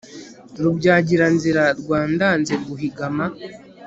Rubyagiranzira rwa ndanze guhigama